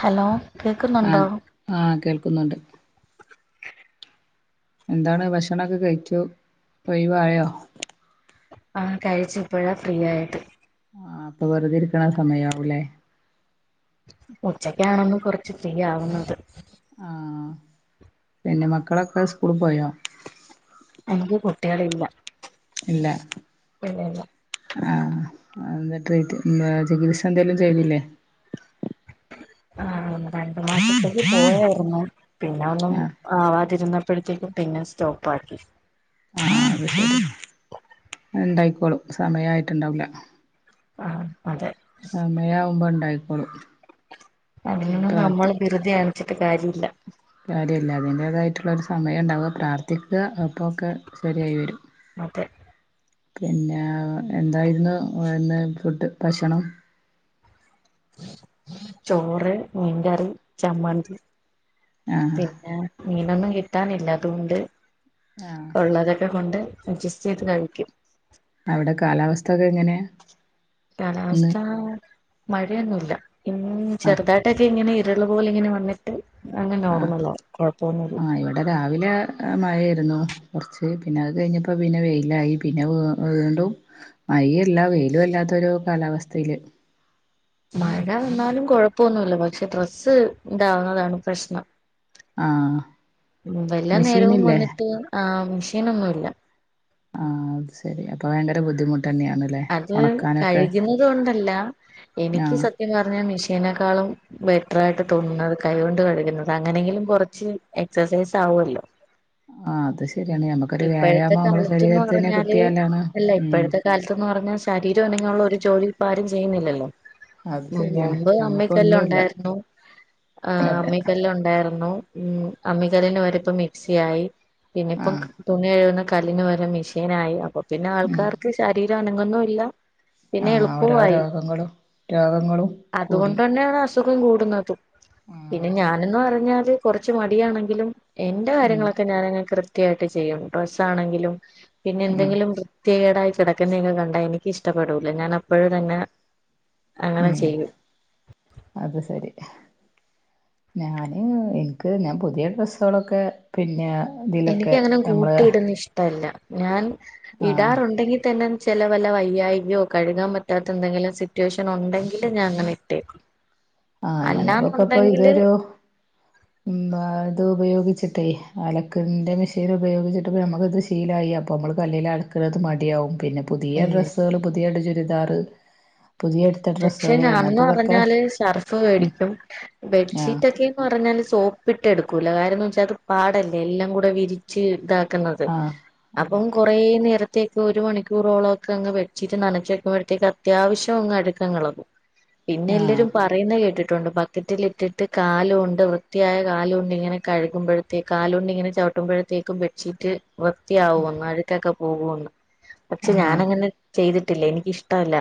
Hello കേക്കുന്നുണ്ടോ കേൾക്കുണ്ട് എന്താണ് ഭക്ഷണൊക്കെ കഴിച്ചു കൊൈവായോ ആ കഴിച്ചു ഇപ്പോഴാ ഫ്രീയായത് ആ അപ്പൊ വെറുത ഇരിക്കണ സമയവൂലേ ഉച്ചക്കാണൊന്ന് കൊറച്ച് ഫ്രീ ആവുന്നത് ആഹ പിന്നെ മക്കളൊക്കെ സ്കൂളിൽ പോയോ എനിക്ക് കുട്ടികൾ ഇല്ല ഇല്ല ആഹ ചികിത്സ എന്തെലും ചെയ്ലില്ലേ ആ രണ്ടു മാസത്തേക്ക് പോയായിരുന്നു പിന്നെ ഒന്നും ആഹ് ആവാതിരുന്ന ഇപ്പോഴത്തേക്കും പിന്നെ സ്റ്റോപ്പ് ആക്കി ആ ഉണ്ടായിക്കോളും സമയയിട്ടുണ്ടാവില്ല ആ ആ മഴ ആവുമ്പോ ഇണ്ടായിക്കോളും അതൊന്നും നമ്മൾ വെറുതെ കാണിച്ചിട്ട് കാര്യയില്ല കാര്യമില്ല അതിന്റേതായിട്ടുള്ള ഒരു സമയം ഉണ്ടാവുക പ്രാർത്ഥിക്കുക അപ്പൊക്കെ ശരിയായി വരും അതെ പിന്നെ എന്തായിരുന്നുന്ന് ഫുഡ് ഭക്ഷണം ചോറ് മീൻകറി ചമ്മന്തി ആഹ് പിന്നെ മീനൊന്നും കിട്ടാനില്ല അതുകൊണ്ട് ആഹ് ഉള്ളതൊക്കെ കൊണ്ട് അഡ്ജസ്റ്റ് ചെയ്ത് കഴിക്കും അവിടെ കാലാവസ്ഥ ഒക്കെ എങ്ങനെയാ ഇന്ന് മഴയൊന്നും ഇല്ല ഇ ചെറുതായിട്ടൊക്കെ ഇങ്ങനെ ഇരുള് പോലെ ഇങ്ങനെ വന്നിട്ട് അങ്ങ് ആഹ് നോർമലാവും കൊഴപ്പൊന്നും ഇല്ല മഴായിരുന്നു കുറച്ച് പിന്നെ അത് കഴിഞ്ഞപ്പോ പിന്നെ വെയിലായി പിന്നെ വീണ്ടും മൈ അല്ല വെയിലും അല്ലാത്തൊരു കാലാവസ്ഥയില് മഴ വന്നാലും കുഴപ്പൊന്നുല്ല പക്ഷെ ഡ്രസ്സ് ണ്ടാവുന്നതാണ് പ്രശ്നം ആഹ് വല്ലാ നേരവും മെഷീനില്ലേ വന്നിട്ട് ആ മെഷീനൊന്നും ഇല്ല ആ അത് ശരി അപ്പൊ ഭയങ്കര ബുദ്ധിമുട്ട് തന്നെയാണല്ലേ അത് ഉണക്കാനൊക്കെ കഴുകുന്നത് കൊണ്ടല്ല എനിക്ക് ആഹ് സത്യം പറഞ്ഞ മെഷീ നെക്കാളും ബെറ്ററായിട്ട് തോന്നുന്നതകൈകൊണ്ട് കഴുന്നത് അങ്ങനെങ്കിലും കുറച്ച് എക്സസൈസ് ആവോ വോല്ലോ ആഹ് അത് ശരിയാണ് ഞമ്മക്കൊരു ഇപ്പോഴത്തെ വ്യായാമം നമ്മളെ കാലത്ത്ന്ന് ശരീരത്തിന് പറഞ്ഞാല് കിട്ടിയാലാണ് അല്ല ഉം ഇപ്പോഴത്തെ കാലത്തന്ന് പറഞ്ഞ ശരീരം അനങ്ങിയുള്ള ഒരു ജോലിപ്പ ആരും ചെയ്യുന്നില്ലല്ലോ അത് ഉ ശരിയാണ് മുമ്പ് അമ്മിക്കല്ല് ഞമ്മക്കൊന്നുല്ല ഉണ്ടായിരുന്നു അതെ ആഅമ്മിക്കല്ല് ഉണ്ടായിരുന്നു ഉ അമ്മികല്ലിന്റെ പകരം പ്പൊ മിക്സിയായി പിന്നെപ്പം ആഹ് തുണി കഴുകുന്ന കല്ലിന് പകരം മിഷീനായി അപ്പൊ പിന്നെ ഉം ആൾക്കാർക്ക് ശരീരം അനങ്ങൊന്നും ഇല്ല പിന്നെ ആഹ് എളുപ്പു ഓരോ ആയി രോഗങ്ങളും രോഗങ്ങളും കൂടി അതുകൊണ്ട് ന്നെയാണ് അസുഖം കൂടുന്നതും പിന്നെ ആഹ് ഞാനന്ന് പറഞ്ഞാല് കൊറച്ച് മടിയാണെങ്കിലും എന്റെ ഉം കാര്യങ്ങളൊക്കെ ഞാനനെ കൃത്യമായിട്ട് ചെയ്യും ഡ്രസ്സ് ആണെങ്കിലും പിന്നെ ഉം എന്തെങ്കിലും വൃത്തികേടായി കിടക്കുന്നക്കെ കണ്ടാ എനിക്ക് ഇഷ്ടപ്പെടൂല ഞാൻ അപ്പോഴ തന്നെ അങ്ങനെ ചെയ്യും അത് ശരി ഞാന് എനിക്ക് ഞാൻ പുതിയ ഡ്രെസ്സുകളൊക്കെ പിന്നെ എനക്ക് ഇതിലൊക്കെ അങ്ങനെ നമ്മള് കൂട്ടിയിടുന്ന ഇഷ്ടമല്ല ഞാൻ ആഹ് ഇടാറുണ്ടെങ്കിൽ തന്നെ ചെലവല്ല വയ്യായികയോ കഴുകാൻ പറ്റാത്ത എന്തെങ്കിലും സിറ്റുവേഷനോ ണ്ടെങ്കില് ഞാനങ്ങനെ ഇട്ടേക്കും ആ ഞങ്ങൾക്കൊക്കെ ഇപ്പൊ അല്ലാന്നുണ്ടെങ്കില് ഇതൊരു ബാതു ഉപയോഗിച്ചിട്ടേ അലക്കിന്റെ മെഷീൻ ഉപയോഗിച്ചിട്ട് നമുക്ക്ത് ശീലമായി അപ്പ നമ്മള് കല്ലില് അലക്കണത് മടിയാവും പിന്നെ പുതിയ ഉം ഡ്രസ്സുകള് പുതിയ ചുരിദാറ് പുതിയ എടുത്ത പക്ഷെ ഡ്രസ്സുകള് ഞാനന്ന് അങ്ങനത്തതൊക്കെ പറഞ്ഞാല് സ ഫ് ഉം മേടിക്കും ആഹ് ബെഡ്ഷീറ്റ് ഒക്കെന്ന് പറഞ്ഞാല് സോപ്പിട്ട് എടുക്കും കുലകാരംന്ന് വെച്ചാൽത് പാടല്ലേ എല്ലാം കൂടെ വിരിച്ച് ഇത ക്കുന്നത് ആഹ് അപ്പൊ അതെ കൊറേ നേരം ത്തേക്ക് ഒരു മണിക്കൂറോളം ഒക്കെ അങ് ബെ്ഷീറ്റ് നനച്ച വക്കുമ്പോഴേക്ക് അത്യാവശ്യം അഴുക്കങ്ങ് ഇളകും പിന്നെ ആഹ് എല്ലരും പറയുന്ന കേട്ടി ണ്ട് ബക്കറ്റിലിട്ടിട്ട് കാലുണ്ട് വൃത്തിയായ കാലൊണ്ട് ഇങ്ങനെ കഴുകുമ്പോഴത്തേ കാലുണ്ട് ഇങ്ങനെ ചവിട്ടി പട്ടുമ്പോഴത്തേക്കും ബെഡ്ഷീറ്റ് വൃത്തിയാവുന്ന് അഴുക്കൊക്കെ പോകുന്ന് പക്ഷെ ആഹ് ഞാാനങ്ങനെ ചെയ്തി ട്ടില്ലഎനിക്കിഷ്ടല്ല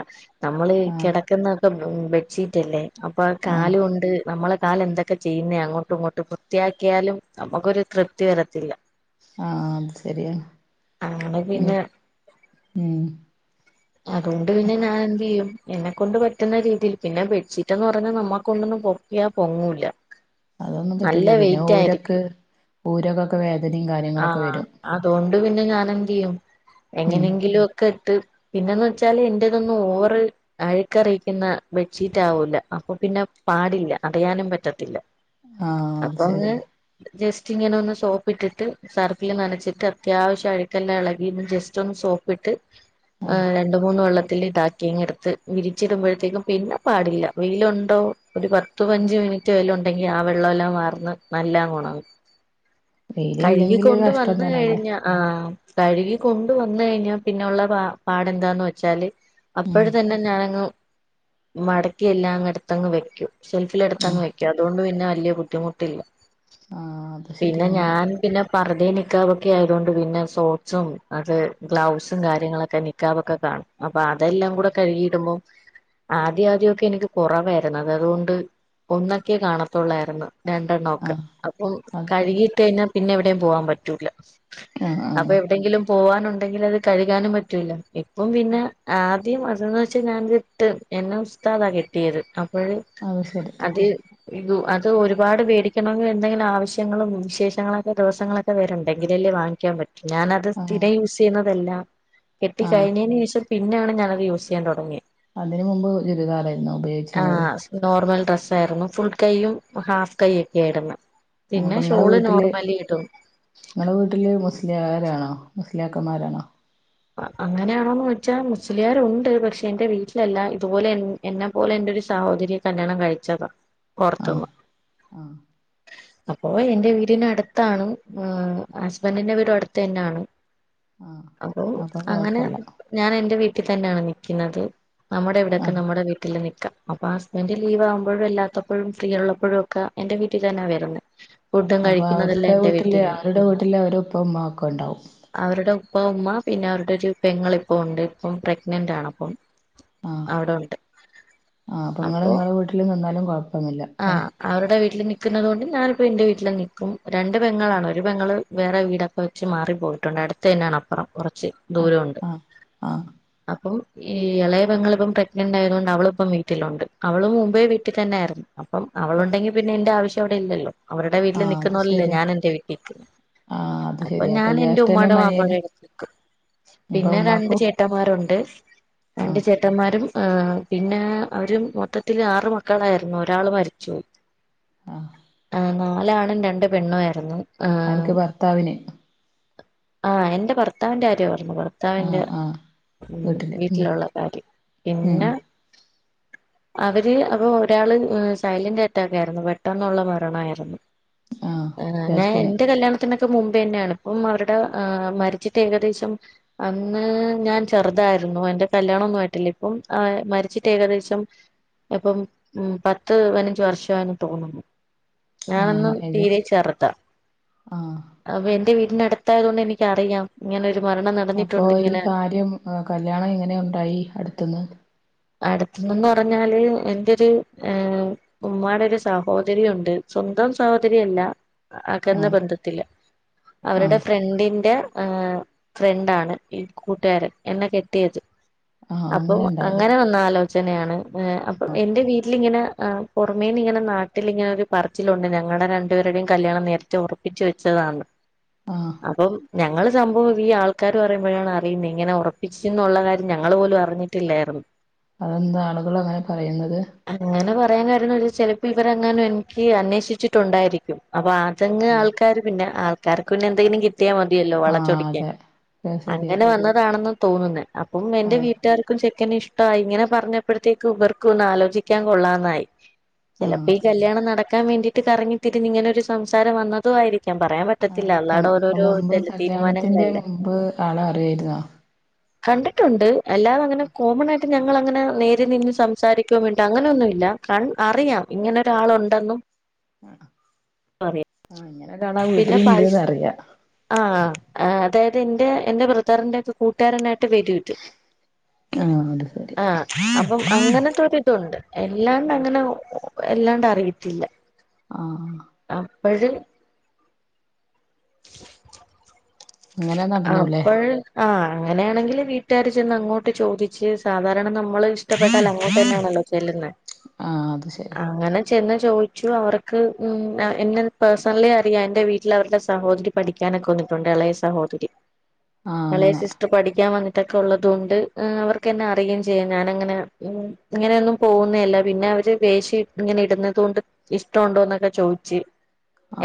നമ്മ ആഹ് കിടക്കുന്നൊക്കെ ബെഡ്ഷീറ്റ് അല്ലേ അപ്പൊ ആഹ് കാലോണ്ട് നമ്മള കാല് എന്തൊക്കെ ചെയ്യുന്നെയാ അങ്ങോട്ടും ഇങ്ങോട്ട് വൃത്തിയാക്കിയാലും നമുക്കൊരു തൃപ്തി വരത്തില്ല ആ. അത് ശരിയാണ്. അങ്ങനെ ഉം, പിന്നെ ഉം. അതുകൊണ്ട് പിന്നെ ഞാൻ എന്ത് ചെയ്യും എന്നെ കൊണ്ട് പറ്റുന്ന രീതിയിൽ പിന്നെ ബെഡ്ഷീറ്റ്ന്ന് പറഞ്ഞാൽ നമ്മക്കൊണ്ടൊന്നും പൊക്കിയാ പൊങ്ങൂല അതൊന്നും നല്ല പറ്റൂല പിന്നെ വെയിറ്റ് ഊരൊക്കെ ഊരൊക്കൊക്കെ വേദ ആ. അതുകൊണ്ട് പിന്നെ ഞാാനെന്ത് ചെയ്യും, ഉം എങ്ങനെങ്കിലും ഒക്കെ ഇട്ട് പിന്നെന്ന് വെച്ചാല് എന്റേതൊന്നും ഓവർ അഴുക്കറിയിക്കുന്ന ബെഡ്ഷീറ്റ് ആവൂല അപ്പൊ പിന്നെ പാടില്ല [unintelligible] യാനും പറ്റത്തില്ല. ആ. അത് അപ്പൊ ശരി, അങ്ങ് ജസ്റ്റ് ഇങ്ങനെ ഒന്ന് സോപ്പിട്ടിട്ട് സർഫിൽൽ നനച്ചിട്ട് അത്യാവശ്യം അഴ്ക്കെല്ലാം ഇളകിന്ന് ജസ്റ്റ് ഒന്ന് സോപ്പിട്ട് ആഹ് രണ്ട മൂന്ന് വെള്ള [unintelligible] വിരിച്ചിടുമ്പോഴത്തേക്കും പിന്നെ പാടില്ല, വെയിലുണ്ടോ ഒരു പത്തു പയിനഞ്ചു മിനുട്ട് വല ഉണ്ടെങ്കി ആ വെള്ള എല്ലാം വാർന്ന് നല്ലോം അങ്ങുണങ്ങും. വെയിലില്ലെങ്കില് കഴുകിക്കൊണ്ട് കഷ്ടം വന്ന തന്നെയല്ലേ കഴിഞ്ഞ ആ കഴുകി കൊണ്ട വന്ന കഴിഞ്ഞാ പിന്നെള്ള പ, പാടെന്താന്ന് വെച്ചാല് ഉം അപ്പോഴ തന്നെ ഞാനങ് മടക്കിയെ ല്ലാം അങ് എടുത്ത്ങ്ങ് വെക്കും. ഷെൽഫില എടുത്ത് അങ്ങ് വെക്കും. അതുകൊണ്ട് പിന്നെ വലിയ ബുദ്ധിമുട്ടില്ല. ആ. അത് ശെരി പിന്നെ അങ്ങനെ. ഞാൻ പിന്നെ പർദ്ധിം നിഖബൊക്കെ ആയതുകൊണ്ട് പിന്നെ സോക്ക്സും അത് ഗ്ലൗസും കാര്യങ്ങളൊക്കെ നിഖാ ഒക്കെ കാണും. അപ്പൊ അതെല്ലാം കൂടെ കഴുകിയിടുമ്പോൾ ആദ്യം ആദ്യമൊക്കെ എനിക്ക് കുറവായിരുന്നു അത് അതുകൊണ്ട് ഒന്നൊക്കെ കാണത്തുള്ളായിരുന്നു. രണ്ടെണ്ണമൊക്കെ, ആഹ് അപ്പം അത് ശരി കഴുകിട്ട കഴിഞ്ഞ പോവാൻ പറ്റുലെ, ആഹ് ആഹ് അപ്പൊവിടെങ്കിലും പോവാനുണ്ടെ ഉണ്ടെങ്കിൽ അത് കഴുകാനും പറ്റൂല്ല. ഇപ്പം പിന്നെ ആദ്യം അത്ന്ന് വെച്ചാൽ ഞാനിത് ഇട്ട് പിന്നെ [unintelligible] കെട്ടിയത് അപ്പോഴും അത് ശരി അത് അത് ഒരുപാട് പേടിക്കണമെങ്കിൽ എന്തെങ്കിലും ആവശ്യങ്ങളും വിശേഷങ്ങളോ ദിവസങ്ങളൊക്കെ വരുണ്ടെ. എങ്കിലല്ലേ വാങ്ങിക്കാൻ പറ്റു. ഞാാന അത് ആഹ് സ്ഥിരം യൂസ് ചെയുണതല്ല. കെട്ടി ആഹ് കഴിഞ്ഞതിന് ശിേഷം പിന്നെയാണ് ഞാനത് യൂസ് ചെയ്യാൻ തുടങ്ങിയ. അതിനന് മുമ്പ് ചുരിദാറേ ആ. നോർമൽ ഡ്രസ് ആയിരുന്നു ഫുൾ കൈയും ഹാഫ് കൈ ഒക്കെ ആയിരുന്നു. പിന്നെ നിങ്ങളടെ ഷോള് വീട്ടില്, നോർമലി ഇടും നിങ്ങളടെ വീട്ടില് മുസ്ലി ആണോ, മുസ്ലിയാക്കന്മാരാണോ? അങ്ങനെയണോന്ന് ചോയ്ച്ചാൽ മുസ്ലിയാരുണ്ട്. പക്ഷെ എന്റെ വീട്ടിലല്ല. ഇതുപോലെ എന്നെ പോലെ എന്റെ ഒരു സഹോദര്യ കല്യാണം കഴിച്ചതാ, ആഹ് പൊറുത്തുന്നു. ആഹ് അപ്പൊ എറെ വീടിനടുത്താണ്. ഹസ്ബൻഡിന്റെ വീടും അടുത്ത് തന്നെയാണ്. ആഹ് അപ്പൊ അങ്ങനെ ഞാൻ എന്റെ വീട്ടി വീട്ടി തന്നെയാണ് നിക്കുന്നത്. നമ്മുടെ ഇവിടൊക്കെ ആഹ് നമ്മുടെ വീട്ടിൽ നിക്കാം. എന്റെ ലീവ് ആവുമ്പോഴും അ ല്ലാത്തപ്പോഴും ഫ്രീ ഉള്ളപ്പോഴും ഒക്കെ എന്റെ വീട്ടിൽ തന്നെയാ വരുന്നത്. ഫുഡും അപ്പൊ കഴിക്കുന്നതെല്ലാം അവരുടെ എന്റെ വീട്ടില് വീട്ടിന്ന. അവരുടെ വീട്ടില് അവരെ ഉപ്പ ഉമ്മ ഒക്കെ ഉണ്ടാവും [unintelligible] ഉപ്പ, ഉമ്മ, പിന്നെ അവരുടെ ഒരു പെങ്ങ ഇപ്പഉണ്ട്, ഇപ്പം പ്രഗ്നന്റ് ആണിപ്പം. അവിടെ ഉണ്ട്. ആ അപ്പൊ നിങ്ങള് അപ്പോ നിങ്ങളെ വീട്ടിലു നിന്നാലും കൊഴപ്പൊന്നുല്ല ലെ? ആഹ് അവരുടെ [inaudible] ഞാനിപ്പോ എന്റെ വീട്ടില് നിൽക്കും. രണ്ട് പെങ്ങളാണ്. ഒരു പെങ്ങൾ വേറെ വീടൊക്കെ വെച്ച് മാറിപ്പോയിട്ടുണ്ട്. അടുത്ത് തന്നെ ആണ്. അപ്പുറം, കുറച്ചു ആഹ് ദൂരണ്ട്. ആഹ് ആഹ് അപ്പോം ഈ ഇളയ പെങ്ങളിപ്പോ പ്രഗ്നന്റ് ആയതുകൊണ്ട് അവളിപ്പം വീട്ടിലുണ്ട്. അവൾ മുമ്പേ വീട്ടിൽ തന്നെ ആയിരുന്നു. അപ്പം അവളുണ്ടെങ്കി പിന്നെ എന്റെ ആവശ്യം അവിടെല്ലല്ലോ. അവരുടെ വീട്ടിൽ ആഹ് നിക്കുന്ന അത് പോലല്ലേ ശരിയാ ഞാൻ എന്റെ വീട്ടിൽ നിക്കുന്നെ. ആഹ് അത് അപ്പൊ ശരിയാ ഞാൻ എന്റെ ജ്യേഷ്ഠനും ഉമ്മടേം ബാപ്പടേം അനിയനും അടുത്തുനിക്കും. അപ്പൊ പിന്നെ രണ്ട് ഉമ്മാക്കും ചേട്ടന്മാരുണ്ട്. രണ്ടു ആഹ് ചേട്ടന്മാരും അ, പിന്നെ അവര് മൊത്തത്തില് ആറ് മക്കളായിരുന്നു. ഒരാള് മരിച്ചുപോയി. ആ നാല ആണ് രണ്ട് പെണ്ണു ആയിരുന്നു ആഹ് ആർക്ക് ഭർത്താവിന് ആഹ എന്റെ ഭർത്താവിന്റെ ആരോ ഭർത്താവിന്റെ ആഹ് ആഹ് വീട്ടില് ഉം വീട്ടിലുള്ള കാര്യം. ഉം പിന്നെ അവര് അപ്പൊ ഒരാള് സൈലന്റ് അറ്റാക്കായിരുന്നു. പെട്ടെന്നുള്ള മരണായിരുന്നു. ആഹ് ആ ആ ജ്യേഷ്ഠന് എന്റെ കല്യാണത്തിനക്കെ മുമ്പേ തന്നെയാണ് ഇപ്പ അവരുടെ ഏഹ് മരിച്ചിട്ട് ഏകദേശം അന്ന് ഞാൻ ചെറുതായിരുന്നു എന്റെ കല്യാണ ഒന്നും ആയിട്ടില്ല ഇപ്പം ആ മരിച്ചിട്ട് ഏകദേശം ഇപ്പം ഉം പത്ത് പതിനഞ്ച് വർഷ ആന്ന് തോന്നുന്നു ആഹ് മ ഞാനൊന്നും തീരെ ജ്യേഷ് ചേർത ആഹ് അപ്പൊ എന്റെ വീ നടത്തായതുക കൊണ്ട് എനിക്കറിയാം ഇങ്ങനെ ഒരു മരണം അപ്പൊ നടന്നിട്ടുണ്ട് ഈ ഇങ്ങനെ കാര്യം കല്യാണം ഇങ്ങനെ ഉണ്ടായി അടുത്തന്ന് അടുത്തന്ന് പറഞ്ഞാല് എന്റെ ഒരു ഏഹ് ഉമ്മായുടെ ഒരു സഹോദരിയ ഉണ്ട് സ്വന്തം സഹോദരില്ല അകന്ന ആഹ് ബന്ധത്തില്ല അവരുടെ ആഹ് ഫ്രണ്ടിന്റെ ആ ഫ്രണ്ടാണ് ഈ കൂട്ടുകാരൻ എന്നെ കെട്ടിയത്. ആഹ് അപ്പൊ ഉണ്ടായതാ അങ്ങനെ വന്നാലോ? അച്ഛനാണ് അപ്പൊ എന്റെ വീട്ടിലിങ്ങനെ ഏ പുറമേ ഇങ്ങന. നാട്ടിൽ ഇങ്ങനെ ഒരു പറച്ചിലുണ്ട് ഞങ്ങളുടെ രണ്ടു പേരുടെയും കല്ല്യാണം നേരത്തെ ഉറപ്പിച്ച് വെച്ചതാന്ന്. ആഹ് അപ്പം ഞങ്ങള് സംഭവം ഈ ആൾക്കാര് പറയുമ്പോഴാണ് അറിയുന്നത് ഇങ്ങനെ ഉറപ്പിച്ചന്നുള്ള കാര്യം ഞങ്ങള് പോലും അറിഞ്ഞിട്ടില്ലായിരുന്നു. അതെന്താ ആളുകൾ അങ്ങനെ പറയുന്നത്? അങ്ങനെ പറയാൻ കാരണം ചിലപ്പോ ഇവർങ്ങാനും എനിക്ക് അന്വേഷിച്ചിട്ടുണ്ടായിരിക്കും. അപ്പൊ അതങ് ആഹ് ആൾക്കാര് പിന്നെ ആൾക്കാർക്ക് പിന്നെ എന്തെങ്കിലും കി ട്ടിയാ മതിയല്ലോ ആഹ് വളച്ചൊടിക്കാൻ അതെ അത് ശരിയാ അങ്ങനെ വന്നതാണെന്ന് തോന്നുന്നെ. അപ്പം എന്റെ ആഹ് വീട്ടുകാർക്കും ചെ ക്കാനെ ഇഷ്ടായി ഇങ്ങനെ പറഞ്ഞപ്പോഴത്തേക്ക് ഉവർക്കും ഒന്ന് ആലോചിക്കാൻ കൊള്ളന്നായി. ചിലപ്പോ ആഹ് ഈ കല്ല്യാണം നടക്കാൻ വേണ്ടിട്ട് കറങ്ങി തിരുന്ന് ഇങ്ങനെ ഒരു സംസാരം വന്നതും ആയിരി ക്കും പറയാൻ പറ്റത്തില്ല ആയിരിക്കാം അള്ളാഹടെ അപ്പൊ ഓരോരോ മുമ്പ് തീ കല്യാണത്തിന്റെ തീരുമാനങ്ങളല്ലേ? മുമ്പ് ആളെ അറിയായിരുന്നോ കണ്ടിട്ടുണ്ട് എല്ലാത്ത അങ്ങനെ കോമൺ യിട്ട് ഞങ്ങൾ അങ്ങനെ നേരിൽ നിന്ന് സംസാരിക്ക മിണ്ടോ അങ്ങനെ ഒന്നുംല്ല ക അറിയാം. ഇങ്ങനെ ഒരാൾ ഉണ്ടെന്നും. ആ ആ ഇന്ന. ഒരാൾ ആ വീട്ടിൽ പിന്നെ പ ഇണ്ട്ന്നറിയാ. ആഹ് അതായത് എന്റെ എന്റെ ബ്രറതറിന്റെ ഒക്കെ കൂട്ടുകാരനായിട്ട് വരു ഇത്. ആഹ് അത് ശരി ആഹ അപ്പം അങ്ങനത്ത ഒര് ഇതുണ്ട് എല്ലാണ്ട് അങ്ങന. എല്ലാണ്ട് അറിയത്തില്ല. ആ ആ വഴി. അങ്ങനെ നടന്നൂല്ലേ അപ്പൾ ആ അങ്ങനെയാണെങ്കിൽ വീട്ടുകാര് ചെന്ന് അങ്ങോട്ട് ചോദിച്ച് സാധാരണ നമ്മ നമ്മള് ഇഷ്ടപ്പെട്ടൽ അങ്ങോട്ട് തന്നെയാണല്ലോ ചെല്ലുന്നത്. ആഹ് അത് ശരി ആ അങ്ങനെ. ചെന്ന് ചോദിച്ചു അവർക്ക് ഉം എന്നെ പേഴ്സണലി അറിയാം എൻ്റെ വീട്ടിൽ അവരുടെ സഹോദരി പഠിക്കാ ൻ വന്നിട്ടുണ്ട് ഇളയ സഹോദരി ആഹ് ഇളയെ അങ്ങനെ സിസ്റ്റർ പഠിക്കാൻ വന്നി ട്ട് ഒക്കെ ഉള്ളതു കൊണ്ട് അവർക്കന്നെ അറിയുകയും ചെയ്യാം ഞാനങ്ങനെ ഇങ്ങനെയൊന്നും പോകുന്നല്ല പിന്നെ അവര് വേശി ഇങ്ങനെ ഇടുന്നത് കൊണ്ട് ഇഷ്ടമുണ്ടോ എന്നൊക്കെ ചോദിച്ച്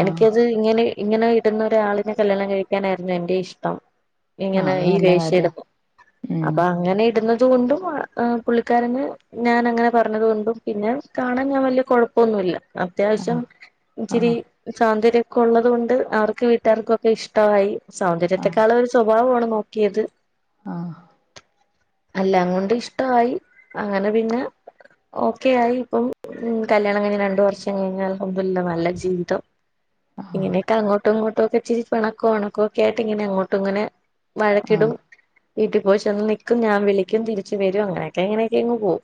ആഹ് എനിക്കത് ഇങ്ങനെ. ഇങ്ങനെ ഇടുന്ന ഒരാളിനെ കല്ല്യാണം കഴിക്കാനായിരുന്നു എന്റെ ഇഷ്ടം. ആഹ് ഇങ്ങനെ അത് ഈ നല്ല വേശം കാര്യം ഇടുന്പോ ഉം അപ്പൊ അങ്ങനെ ഇടുന്ന തുകൊണ്ടും പുള്ളിക്കാരന് ഞാൻ അങ്ങനെ പറഞ്ഞത്കൊണ്ടും പിന്നെ കാണാൻ ഞാൻ വലിയ കുഴപ്പൊന്നുല്ല അത്യാവശ്യം ആഹ് ഇച്ചിരി ആഹ് സൗന്ദര്യ ക്കെ ഉള്ളത് കൊണ്ട് അവർക്ക് വീട്ടുകാർക്കുംഒക്കെ ഇഷ്ടമായി സൗന്ദര്യത്തെക്കാൾ ഒരു സ്വഭാവമാണ്. നോക്കിയത്. ആ അല്ല അങ്ങോണ്ട് ഇഷ്ടായി അങ്ങനെ പിന്നെ ഓക്കെ ആയി. ഇപ്പം കല്ല്യാണം കഴിഞ്ഞ് രണ്ടുവർഷം കഴിഞ്ഞു അൽഹംദുലില്ലാ നല്ല ജീവിതം. ആഹ് ഇങ്ങനെയൊക്കെ അങ്ങോട്ടും ഇങ്ങോട്ടും ഒക്കെ ഇച്ചിരി പിണക്കോ ഇണക്കോ ഒക്കെ ആയിട്ട് ഇങ്ങനെ അങ്ങോട്ടും ഇങ്ങനെ. വഴക്കിടും ആഹ് വീട്ടിൽ പോയി ചെന്ന് നിക്കും ഞാൻ വിളിക്കും തിരിച്ച് വരും അങ്ങനെയൊക്കെഎങ്ങനെയൊക്കെങ്ങ് പോവും.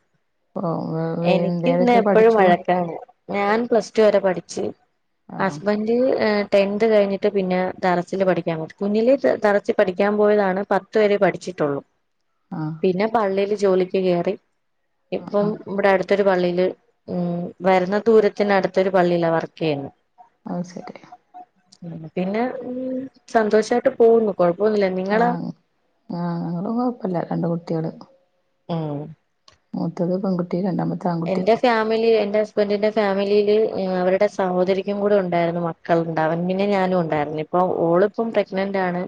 ഓ ഓ ഒ എന്തേൽ ഞാ എപ്പഴും വഴക്കാണ്. ഞൻ പ്ല സ് ടു വരെ പഠിച്ച് ആഹ് ഹസ്ബന്റ് ഏ ടെൻത് കഴിഞ്ഞിട്ട് പിന്നെ ദർസില് പഠിക്കാൻ പോയി. കുഞ്ഞിലി ദ ദർസിൽ പഠിക്കാൻ പോയതാണ് പത്ത് വരെ പഠിച്ച് ട്ടൊള്ളു ആഹ് പിന്നെ പള്ളില് ജോലിക്ക് കേറി. ഇപ്പോ ആഹ് ഇവിടെ അടുത്തൊരു പള്ളിയില് ഉം വര്ന്ന ദൂരത്തിനടുത്തൊ രു പള്ളിയിലാ വർക്ക്യ്യ്ന്നെ. അയ് ശെരിയാ പിന്നെ ഉം സന്തോഷായിട്ട് പോവുന്നു. ആ ഞാ ഞങ്ങളും കൊഴപ്പില്ല രണ്ട് കുട്ടിള്. ആ മൂത്തത് പെൺകുട്ടി രണ്ടാമത്തെ ആൺകുട്ടി എന്റെ ഫാമിലി എന്റെ ഹസ് ബെന്റിന്റെ ഫാമിലിയില് അവരുടെ സഹോദരിക്കും കൂടെ ഉണ്ടായിരുന്നു മക്കള്ണ്ടാവൻ പിന്നെ ഞാനും ഉണ്ടായിരുന്നു. അപ്പൊ ഓളിപ്പം പ്രഗ്നന്റ് ആണ്.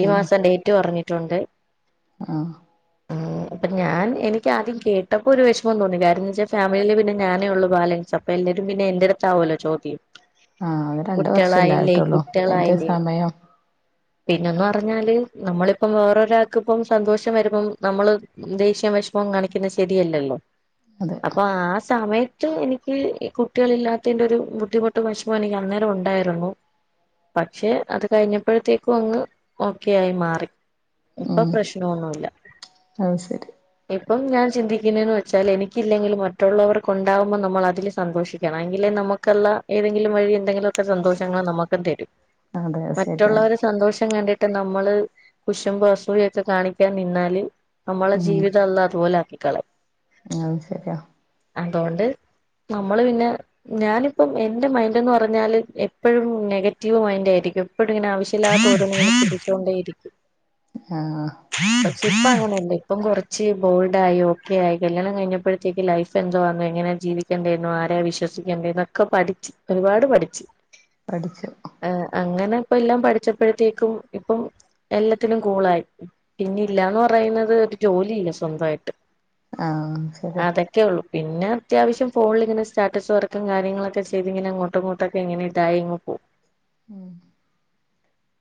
ഈ മാസം ഡേറ്റ് പറഞ്ഞിട്ടുണ്ട്. ആ ആ അപ്പ ഞാൻ എനിക്ക് ആദ്യം കേട്ടപ്പോ ഒരു വിഷമം തോന്നി. കാ പിന്നെച്ചാൽ ഫാമിലിയില് പിന്നെ ഞാനേ ഒള്ളൂ ബാലൻസ് അപ്പൊ എല്ലരും പിന്നെ എന്റെടുത്താവു ആഹ് അത് രണ്ട് വർഷല്ലേ കുട്ടിളായില്ലേ ആയിട്ടുള്ളൂ അതിന്റെ കുട്ടിളായില്ലേ. സമയം പിന്നൊന്നും അറി ഞ്ഞാല് നമ്മളിപ്പം വേറരാൾക്ക് ഇപ്പം സന്തോഷം വരുമ്പം നമ്മള് ദേഷ്യം വെഷമം കാണിക്ക്ന്നെ ശെരി രിയല്ലല്ലോ? അതെ അപ്പ ആ സ് സമയത്ത് എനിക്ക് ഈ കുട്ടിളില്ലാത്തെ യിന്റെ ഒരു ബുദ്ധിമുട്ടും വെഷമവും എനിക്ക് അന്നേരം ഉണ്ടായിരുന്നു. പക്ഷെ അത് കഴിഞ്ഞപ്പോഴത്തേക്കും അങ്ങ് ഓക്കെ ആയി മാറി. ഇപ്പൊ പ്രശ്നൊന്നുല്ല. ആ ശെരി ഇപ്പം ഞാൻ ചിന്തിക്കുന്നേന്ന് വെച്ചാൽ എനി ക്കില്ലെങ്കിലും മറ്റുള്ളവർക്ക് ഉണ്ടാവുമ്പ നമ്മള് അതില് സന്തോഷിക്കണം. എങ്കിലെ നമുക്ക്ള്ള ഏതെങ്കിലും വഴി എന്തെങ്കിലും സന്തോഷങ്ങൾ നമുക്കും തെരും. അതെ അത് ശരിയാണ് മറ്റുള്ളവര് സന്തോഷം കണ്ടിട്ട് നമ്മള് കുശമ്പ് അസൂയക്കെ കാണിക്കാൻ നിന്നാല് നമ്മളെ ഉം ജീവിതം അള്ള അത് പോലെ ആക്കിക്കളേം. അത് ശെരിയാ. അതോണ്ട് നമ്മള് പിന്നെ ഞാനിപ്പം എന്റെ മൈൻഡ്ന്ന് പറഞ്ഞാല് എപ്പോഴും നെഗറ്റീവ് മൈൻഡ് ആയിരിക്കും. എപ്പെടുങ്ങനെ ആവശ്യല്ലാത്ത ഒരോന്ന് ഇങ്ങനെ ചിന്തിച്ചോണ്ടേരിക്കും. ആ പക്ഷെ ഇപ്പ അങ്ങനെയല്ല, ഇപ്പം കുറച്ച് ബോൾഡ് ആയി, ഓക്കെ ആയി. കല്യാണം കഴിഞ്ഞപ്പോ ത്തേക്ക് ലൈഫ് എന്തോവാന്നു എങ്ങനെയ ജീവിക്കേണ്ടേന്നു. ആരെ വിശ്വസിക്കേണ്ടേന്നൊക്കെ പഠിച്ച്. ഒരുപാട് പഠിച്ച്. പഠിച്ചു. അങ്ങനെ ഇപ്പ എല്ലാം പഠിച്ചപ്പോഴത്തേക്കും ഇപ്പം എല്ലത്തിനും കു ഇപ്പ അയിനത് ഒരു ജോലി ഇല്ല സ്വന്താ യിട്ട്. ആ അതൊക്കെ ഒള്ളു. പിന്നെ, അത്യാവശ്യം ഫോണിലിങ്ങനെ സ്റ്റാറ്റസ് വർക്കും കാര്യങ്ങളൊക്കെ ചെയ്തിങ്ങനെ അങ്ങോട്ടുംങ്ങോട്ടൊക്കെ ഇങ്ങനെ ടൈം പോവും. ഉം [inaudible]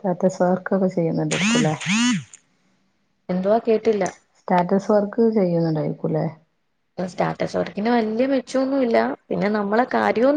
ടാറ്റസ് വർക് ഒക്ക ചെയ്യുന്ന്ണ്ടായിര് ക്ക്ല്ലേ. എന്തുവാ കേട്ടില്ല? സ്റ്റാറ്റസ് വർക്ക് ചെയ്യുന്നുണ്ടായിരിക്കുംല്ലേ. സ്റ്റാറ്റസ് വർക്കിന് വലിയ മെച്ചമൊന്നു ഇല്ല പിന്നെ നമ്മളെ കാര്യവും നട